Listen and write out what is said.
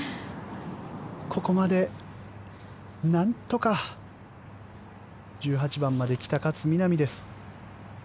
ここまでなんとか１８番まで来た勝みなみです。